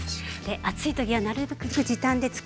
暑い時はなるべく時短でつくりたい。